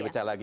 di pecah lagi